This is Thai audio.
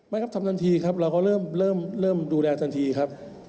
ครับทำทันทีครับเราก็เริ่มดูแลทันทีครับ